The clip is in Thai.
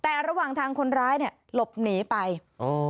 แต่ระหว่างทางคนร้ายเนี่ยหลบหนีไปโอ้